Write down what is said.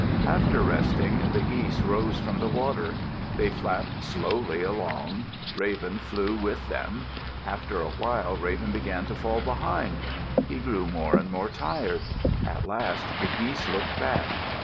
After resting, the geese rose from the water. They flapped slowly along. Raven flew with them. After a while, Raven began to fall behind. He grew more and more tired. At last the geese looked back.